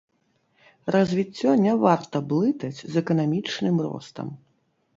Развіццё не варта блытаць з эканамічным ростам.